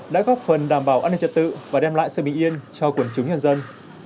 đã góp phần đảm bảo an ninh trật tự và đem lại sự bình yên cho quần chúng nhân dân